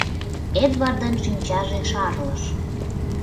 Эдвардын шинчаже шарлыш.